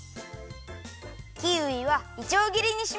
キウイはいちょうぎりにします。